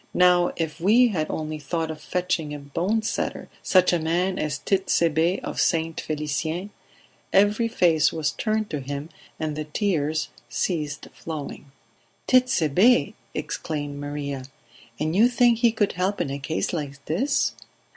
Now if we had only thought of fetching a bone setter such a man as Tit'Sebe of St. Felicien ..." Every face was turned to him and the tears ceased flowing. "Tit'Sebe!" exclaimed Maria. "And you think he could help in a case like this?"